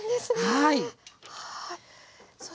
はい。